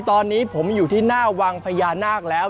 ตอนนี้ผมอยู่ที่หน้าวังพญานาคแล้ว